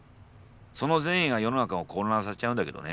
その善意が世の中を混乱させちゃうんだけどね。